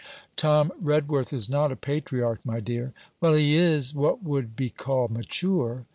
'Tom Redworth is not a patriarch, my dear.' 'Well, he is what would be called mature.'